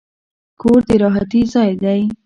کور د راحتي ځای دی.